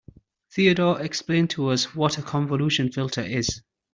Theodore explained to us what a convolution filter is.